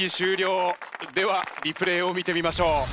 ではリプレイを見てみましょう。